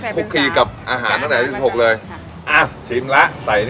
คุกคลีกับอาหารตั้งแต่ยุทธิ์สิบหกเลยค่ะอ้าวชิมแล้วใส่เนี่ย